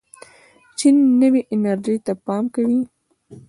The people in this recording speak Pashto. چین نوې انرژۍ ته پام کوي.